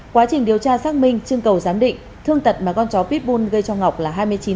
quá trình điều tra xác minh trương cầu giám định thương tật mà con chó pitbull gây cho ngọc là hai mươi chín